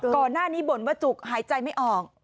ก่อนหน้านี้บ่นว่าจุกหายใจไม่ออก